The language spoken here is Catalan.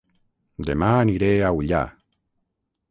Dema aniré a Ullà